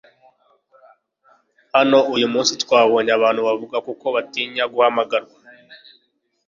hano uyu munsi? twabonye abantu bavuga kuko batinya guhamagarwa